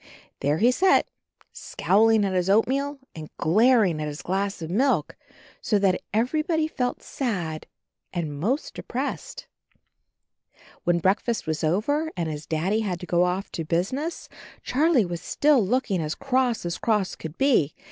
There he sat, scowling at his oatmeal and glaring at his glass of milk, so that everybody felt sad and most de pressed. When breakfast was over and his Daddy had to go off to business, Charlie was still looking as cross as cross could be.